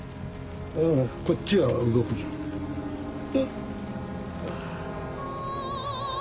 あぁこっちは動くぞ。